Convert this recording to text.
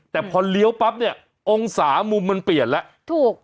แต่พอเลี้ยวปั๊บเนี่ยองศามุมมันเปลี่ยนแล้วถูก